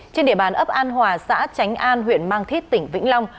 trên địa bàn ấp an hòa xã tránh an huyện mang thít tỉnh vĩnh long